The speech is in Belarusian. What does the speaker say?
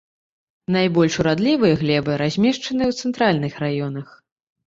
Найбольш урадлівыя глебы размешчаныя ў цэнтральных раёнах.